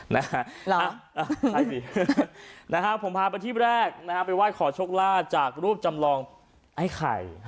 นะฮะใช่สินะฮะผมพาไปที่แรกนะฮะไปไหว้ขอโชคลาภจากรูปจำลองไอ้ไข่